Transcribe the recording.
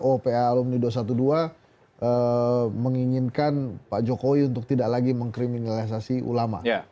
oh pa alumnido dua belas menginginkan pak jokowi untuk tidak lagi mengkriminalisasi ulama